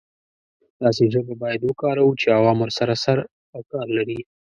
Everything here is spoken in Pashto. داسې ژبه باید وکاروو چې عوام ورسره سر او کار لري.